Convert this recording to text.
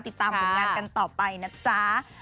ติดตามผลงานกันต่อไปนะจ๊ะ